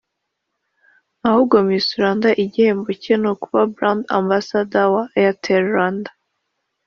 ahubwo Miss Rwanda igihembo cye ni ukuba "Brand Ambassador" wa Airtel Rwanda